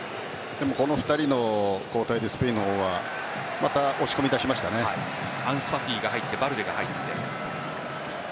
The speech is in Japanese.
この２人の交代でスペインの方はアンスファティが入ってバルデが入って。